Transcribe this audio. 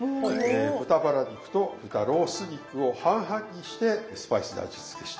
豚バラ肉と豚ロース肉を半々にしてスパイスで味付けした。